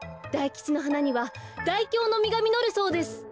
大吉の花には大凶のみがみのるそうです。